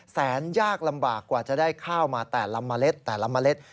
แสนยากลำบากกว่าจะได้ข้าวมาแต่ละเมล็ดแต่ละเมล็ด